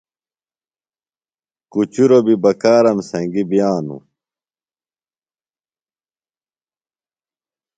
کُچُروۡ بیۡ بکارم سنگی بِیانوۡ.